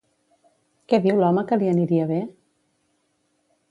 Què diu l'home que li aniria bé?